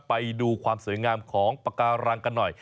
ไปดูความสวยงามของปากการังกันหน่อย